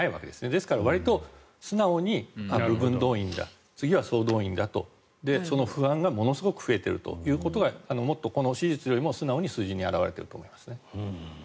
ですから、わりと素直に部分動員だ、次は総動員だと。その不安がものすごく増えているということが支持率よりも素直に数字に表れていると思います。